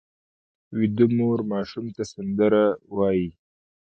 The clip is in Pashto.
ویده مور ماشوم ته سندره وایي